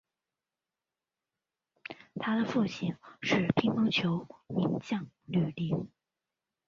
他的父亲是乒乓球名将吕林。